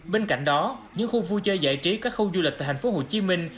bên cạnh đó những khu vui chơi giải trí các khu du lịch tại thành phố hồ chí minh